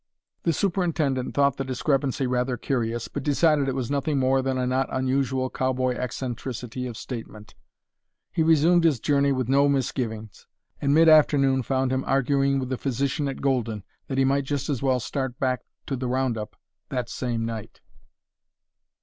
The superintendent thought the discrepancy rather curious, but decided it was nothing more than a not unusual cowboy eccentricity of statement. He resumed his journey with no misgivings, and mid afternoon found him arguing with the physician at Golden that he might just as well start back to the round up that same night.